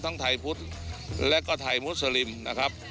ทั้งไทยพุทธและก็ไทยมุสลิมนะครับ